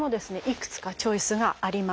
いくつかチョイスがあります。